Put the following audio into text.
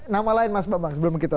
nama lain mas bambang sebelum kita